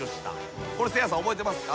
これせいやさん覚えてますか？